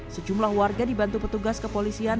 sejumlah warga dibantu petugas kepolisian